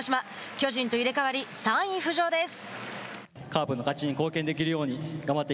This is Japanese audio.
巨人と入れ代わり３位浮上です。